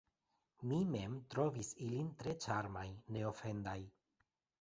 Mi mem trovis ilin tre ĉarmaj, neofendaj.